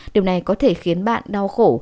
điều này có thể khiến bạn đau khổ